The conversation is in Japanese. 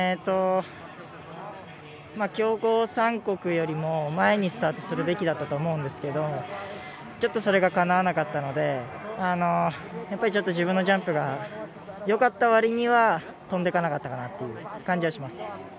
強豪３国よりも前にスタートするべきだったと思うんですけどちょっとそれがかなわなかったので自分のジャンプがよかった割には飛んでかなかったかなという感じがします。